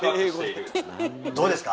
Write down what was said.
どうですか？